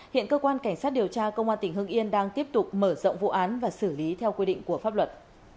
hiện cơ quan cảnh sát điều tra công an tỉnh hưng yên đang tiếp tục mở rộng vụ án và xử lý theo quy định của pháp luật